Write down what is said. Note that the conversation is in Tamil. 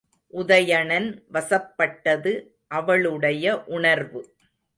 உதயணன் வசப்பட்டது அவளுடைய உணர்வு.